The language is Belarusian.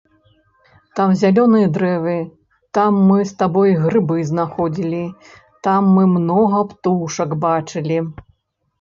Там зялёныя дрэвы, там мы з табой грыбы знаходзілі, там мы многа птушак бачылі.